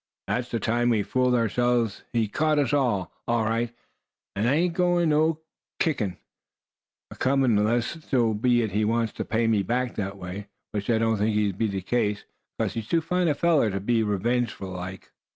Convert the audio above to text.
That's the time we fooled ourselves. He caught us, all right, and I ain't got no kick acomin', 'less so be he wants to pay me back that way; which I don't think's goin' to be the case, 'cause he's too fine a feller to be revengeful like."